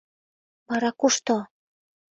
— Вара кушто?